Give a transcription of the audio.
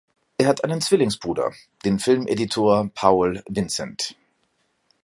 Er hat einen Zwillingsbruder, den Filmeditor Paul Vincent.